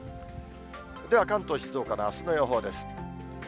では、関東、静岡のあすの予報です。